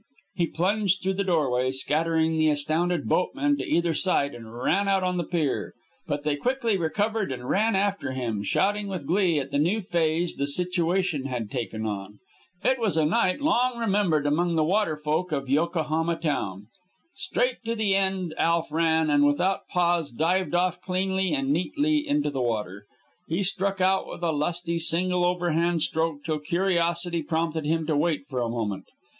He plunged through the doorway, scattering the astounded boatmen to either side, and ran out on the pier. But they quickly recovered and ran after him, shouting with glee at the new phase the situation had taken on. It was a night long remembered among the water folk of Yokohama town. Straight to the end Alf ran, and, without pause, dived off cleanly and neatly into the water. He struck out with a lusty, single overhand stroke till curiosity prompted him to halt for a moment.